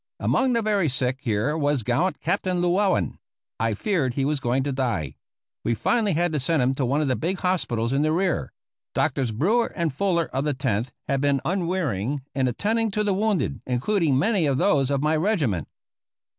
Among the very sick here was gallant Captain Llewellen. I feared he was going to die. We finally had to send him to one of the big hospitals in the rear. Doctors Brewer and Fuller of the Tenth had been unwearying in attending to the wounded, including many of those of my regiment.